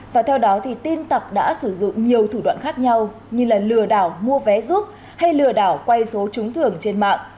và theo đó thì tin tặc đã sử dụng nhiều thủ đoạn khác nhau như lừa đảo mua vé giúp hay lừa đảo quay số trúng thưởng trên mạng